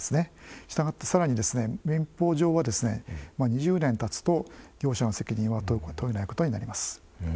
したがって民法上は２０年たつと業者の責任は問えないことになります。